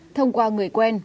thông qua người quen